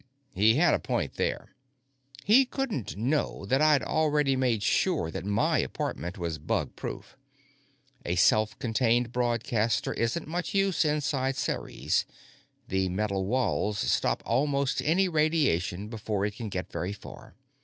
He had a point there. He couldn't know that I'd already made sure that my apartment was bug proof. A self contained broadcaster isn't much use inside Ceres; the metal walls stop almost any radiation before it can get very far.